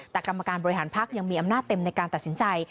แต่กรรมการบริหารพักยังมีอำนาจเต็มในการตัดสินใจ